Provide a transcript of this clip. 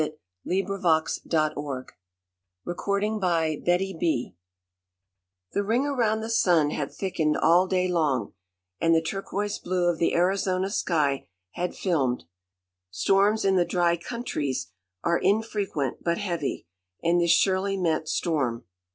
The Ole Virginia By Stewart Edward White THE ring around the sun had thickened all day long, and the turquoise blue of the Arizona sky had filmed. Storms in the dry countries are infrequent, but heavy; and this surely meant storm.